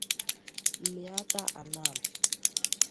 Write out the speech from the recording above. Mmịata Anam